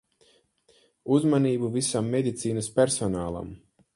Uzmanību visam medicīnas personālam.